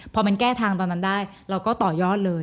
พอมันแก้ทางตอนนั้นได้เราก็ต่อยอดเลย